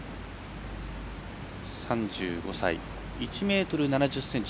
３５歳、１ｍ７０ｃｍ。